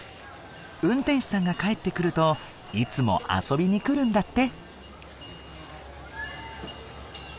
運転手さんが帰ってくるといつも遊びに来るんだって。